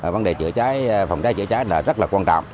vấn đề phòng cháy chữa cháy là rất là quan trọng